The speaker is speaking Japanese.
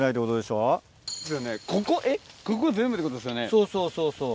そうそうそうそう。